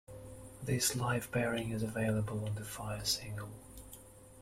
This live pairing is available on the "Fire" single.